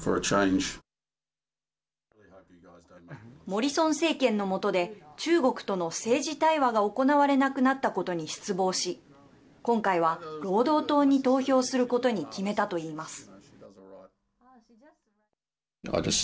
モリソン政権の下で中国との政治対話が行われなくなったことに失望し今回は労働党に投票することに決めたといいます。